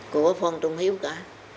của phần trung hiếu cả